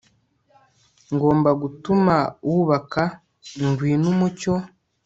Ngomba gutuma wubaka Ngwino umucyo